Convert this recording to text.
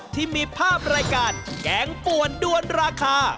ที่มีภาพรายการแกงป่วนด้วนราคา